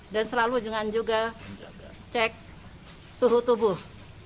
dan selalu juga cek suhu tubuh